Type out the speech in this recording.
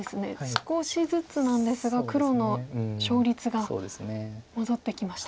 少しずつなんですが黒の勝率が戻ってきました。